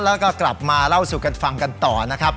แล้วก็กลับมาเล่าสู่กันฟังกันต่อนะครับ